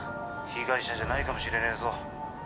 ☎被害者じゃないかもしれねえぞ